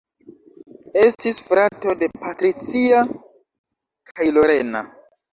Estis frato de Patricia kaj Lorena.